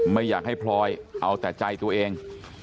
ไม่อยากให้พลอยเอาแต่ใจตัวเอง